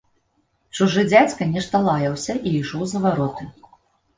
Чужы дзядзька нешта лаяўся і ішоў за вароты.